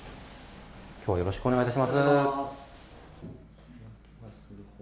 今日はよろしくお願いいたします。